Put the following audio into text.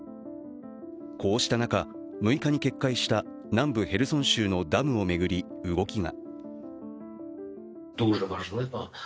こうした中、６日に決壊した南部ヘルソン州のダムを巡り、動きが。